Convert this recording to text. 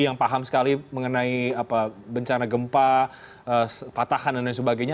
yang paham sekali mengenai bencana gempa patahan dan lain sebagainya